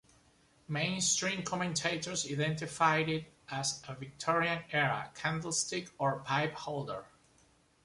Mainstream commentators identify it as a Victorian era candlestick or pipe holder.